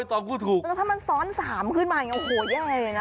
ถ้ามันซ้อน๓ขึ้นมาอย่างไรเลยนะ